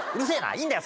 いいんだよ